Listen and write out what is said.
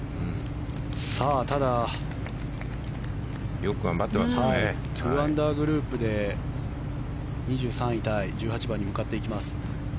ただ、２アンダーグループで２３位タイ１８番に向かっていきます。